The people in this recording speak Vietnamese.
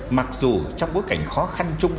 mặc dù trong bối cảnh khó khăn chung